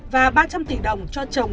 và ba trăm linh tỷ đồng cho chồng